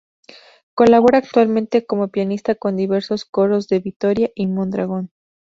Colabora actualmente como pianista con diversos coros de Vitoria y Mondragón.